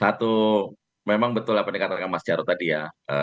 satu memang betul apa yang dikatakan mas jarod tadi ya